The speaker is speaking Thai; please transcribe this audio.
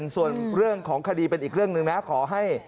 ส่วนเรื่องของคดีเป็นอีกเรื่องหนึ่งนะขอให้